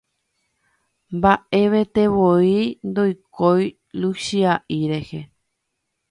Mbaʼevetevoi ndoikói Luchiaʼi rehe.